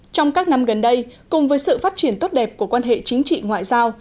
trong các năm gần đây cùng với sự phát triển tốt đẹp của quan hệ chính trị ngoại giao